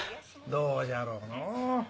どうじゃろうのう。